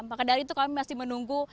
maka dari itu kami masih menunggu